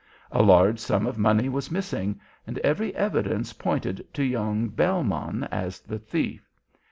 A large sum of money was missing, and every evidence pointed to young Bellmann as the thief.